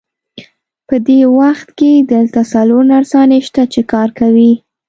په دې وخت کې دلته څلور نرسانې شته، چې کار کوي.